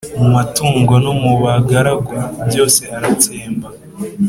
mu matungo no mu bagaragu; byose aratsemba.